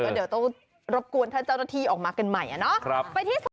ก็ต้องรบกลวงธรรมนี่ออกมาใหม่